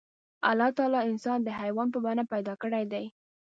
الله تعالی انسان د حيوان په بڼه پيدا کړی دی.